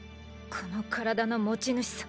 この体の持ち主さ。